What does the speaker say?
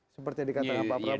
seperti yang dikatakan pak prabowo